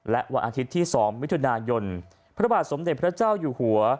และวันอาทิตย์ที่๒มิถุนายนพระบาทสมเด็จพระเจ้าอยู่หัว